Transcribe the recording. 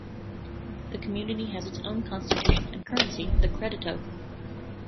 The community has its own constitution and currency, the "Credito".